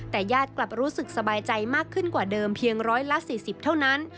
แต่ญาติกลับรู้สึกสบายใจมากขึ้นกว่าเดิมเพียงร้อยละ๔๐เท่านั้น